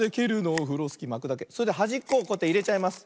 それではじっこをこうやっていれちゃいます。